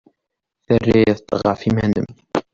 Terrid ɣef yiman-nnem.